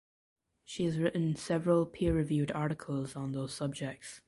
She has written several peer reviewed articles on those subjects.